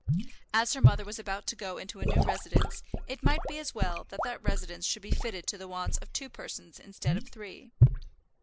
As her mother was about to go into a new residence, it might be as well that that residence should be fitted to the wants of two persons instead of three.